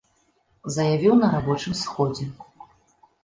Заявіў на рабочым сходзе.